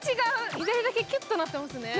左だけきゅっとなっていますね。